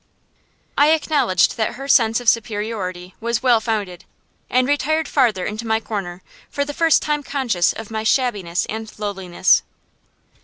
I acknowledged that her sense of superiority was well founded, and retired farther into my corner, for the first time conscious of my shabbiness and lowliness.